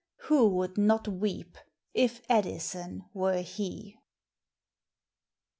Who would not weep if Addison were he